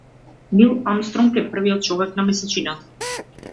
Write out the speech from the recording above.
Нил Армстронг е првиот човек на месечината.